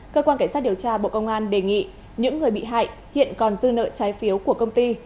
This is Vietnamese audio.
cơ quan cảnh sát điều tra bộ công an đề nghị những người bị hại hiện còn dư nợ trái phiếu của công ty